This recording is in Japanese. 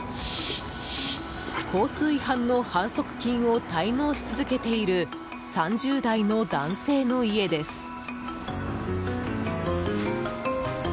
交通違反の反則金を滞納し続けている３０代の男性の家です。